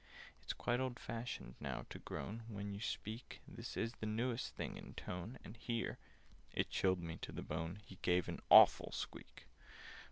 "It's quite old fashioned now to groan When you begin to speak: This is the newest thing in tone—" And here (it chilled me to the bone) He gave an awful squeak.